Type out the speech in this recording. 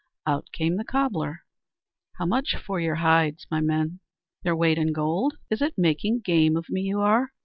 Out came the cobbler: "How much for your hides, my men?" "Their weight in gold." "Is it making game of me you are!